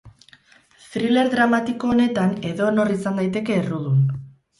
Thriller dramatiko honetan edonor izan daiteke errudun.